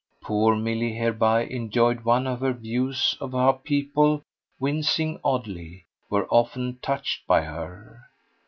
Poor Milly hereby enjoyed one of her views of how people, wincing oddly, were often touched by her.